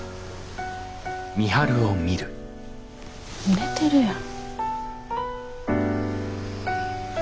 寝てるやん。